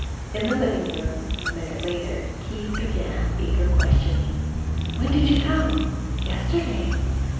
In the living room a minute later, Keith began eager questioning. "When did you come?" "Yesterday."